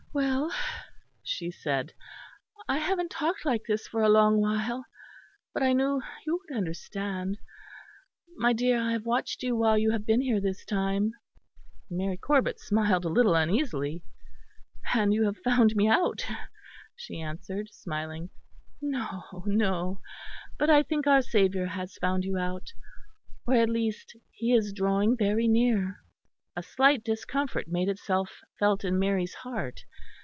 "Well," she said, "I haven't talked like this for a long while; but I knew you would understand. My dear, I have watched you while you have been here this time." Mary Corbet smiled a little uneasily. "And you have found me out?" she answered smiling. "No, no; but I think our Saviour has found you out or at least He is drawing very near." A slight discomfort made itself felt in Mary's heart.